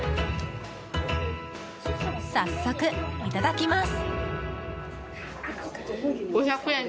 早速、いただきます。